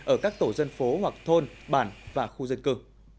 ở các tổ dân phố hoặc thôn bản và khu dân cư